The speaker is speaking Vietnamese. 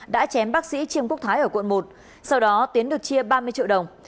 đã chém bác sĩ trương quốc thái ở quận một sau đó tiến được chia ba mươi triệu đồng